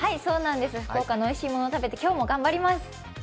福岡のおいしいものを食べて今日も頑張ります。